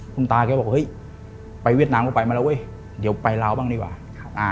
คุณตาแกบอกเฮ้ยไปเวียดนามก็ไปมาแล้วเว้ยเดี๋ยวไปลาวบ้างดีกว่า